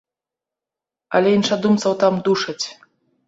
Але іншадумцаў там душаць.